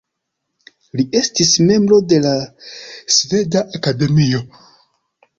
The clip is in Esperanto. Li estis membro de la Sveda Akademio.